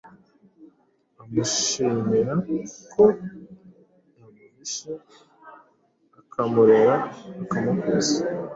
amushimira ko yamuhishe akamurera akamukuza;